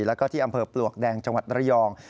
แล้วก็ที่อำเภอปลวกแดงจังหวัดระยอง